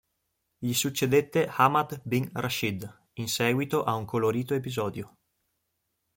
Gli succedette Ahmad bin Rashid in seguito a un colorito episodio.